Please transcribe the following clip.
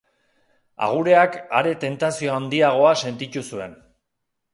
Agureak are tentazio handiagoa sentitu zuen.